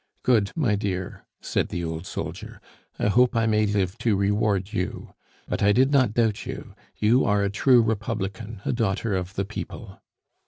"Good, my dear," said the old soldier. "I hope I may live to reward you. But I did not doubt you; you are a true Republican, a daughter of the people."